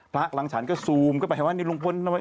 หลังฉันก็ซูมเข้าไปว่านี่ลุงพล